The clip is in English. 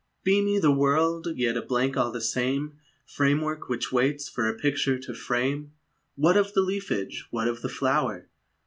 Beamy the world, yet a blank all the same, Framework which waits for a picture to frame: What of the leafage, what of the flower?